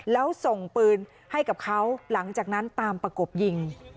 แล้วส่งปืนให้กับเขาหลังจากนั้นตามประกบยิง